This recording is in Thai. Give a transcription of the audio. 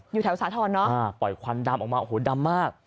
อยู่แถวสาธรณ์เนาะปล่อยควันดำออกมาโอ้โหดำมาก